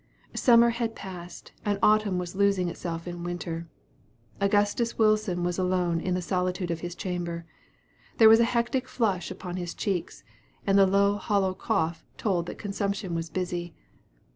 Summer had passed, and autumn was losing itself in winter. Augustus Wilson was alone in the solitude of his chamber. There was a hectic flush upon his cheek, and the low hollow cough told that consumption was busy.